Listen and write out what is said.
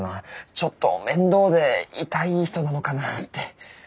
ちょっと面倒でイタい人なのかなって。